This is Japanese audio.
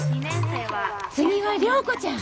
次は良子ちゃん。